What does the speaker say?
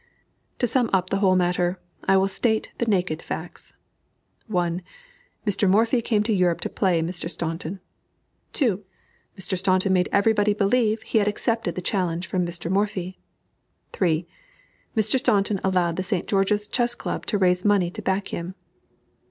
To sum up the whole matter, I will state the naked facts. 1. Mr. Morphy came to Europe to play Mr. Staunton. 2. Mr. Staunton made everybody believe he had accepted the challenge from Mr. Morphy. 3. Mr. Staunton allowed the St. George's Chess Club to raise the money to back him.